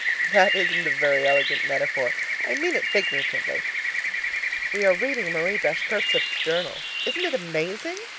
(That isn't a very elegant metaphor. I mean it figuratively.) We're reading Marie Bashkirtseff's journal. Isn't it amazing?